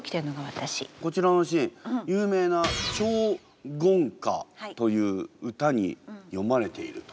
こちらのシーン有名な「長恨歌」という詩に詠まれていると？